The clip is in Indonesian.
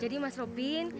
jadi mas robin